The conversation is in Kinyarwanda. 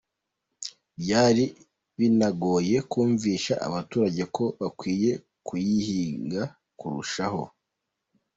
Byari binagoye kumvisha abaturage ko bakwiye kuyihinga kurushaho.